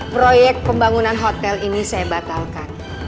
proyek pembangunan hotel ini saya batalkan